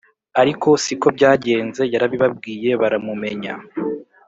ariko siko byagenze, yarabibwiye baramumenya